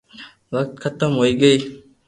وات ختم ھوئي گئي